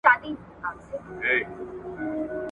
چي ړندې کي غبرګي سترګي د اغیارو `